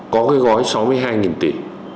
có cái gói sáu mươi hai tỷ